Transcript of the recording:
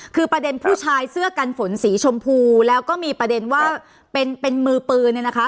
คือประเด็นผู้ชายเสื้อกันฝนสีชมพูแล้วก็มีประเด็นว่าเป็นเป็นมือปืนเนี่ยนะคะ